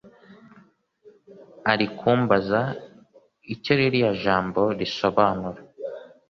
arikumbaza icyo ririya jambo risobanura